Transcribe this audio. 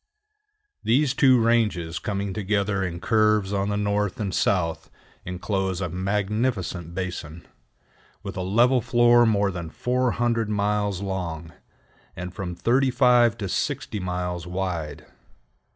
These two ranges coming together in curves on the north and south inclose a magnificent basin, with a level floor more than 400 miles long, and from 35 to 60 miles wide.